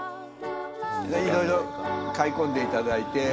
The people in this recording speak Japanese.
いろいろ買い込んで頂いて。